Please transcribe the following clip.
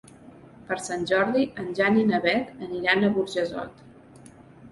Per Sant Jordi en Jan i na Beth aniran a Burjassot.